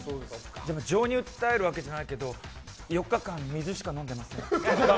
でも情に訴えるわけじゃないけど４日間、水しか飲んでません。